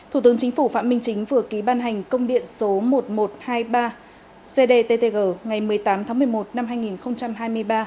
thủ tướng chính phủ phạm minh chính vừa ký ban hành công điện số một nghìn một trăm hai mươi ba cdttg ngày một mươi tám tháng một mươi một năm hai nghìn hai mươi ba